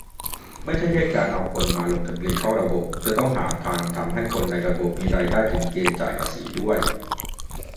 ไม่ใช่แค่การเอาคนมาลงทะเบียนเข้าระบบ แต่หาทางทำให้คนในระบบมีรายได้ถึงเกณฑ์จ่ายภาษีด้วย